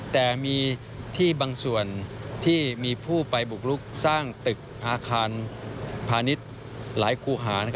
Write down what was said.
แต่มีที่บางส่วนที่มีผู้ไปบุกลุกสร้างตึกอาคารพาณิชย์หลายคู่หา